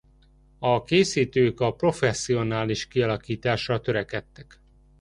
A készítők a professzionális kialakításra törekedtek.